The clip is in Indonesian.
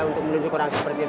untuk menunjuk orang seperti itu